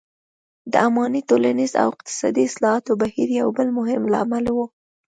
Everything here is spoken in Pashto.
د اماني ټولنیز او اقتصادي اصلاحاتو بهیر یو بل مهم لامل و.